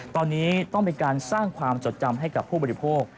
ตอนนี้ต้องเป็นการสร้างความจดจำให้กับผู้บริโภค